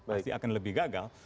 pasti akan lebih gagal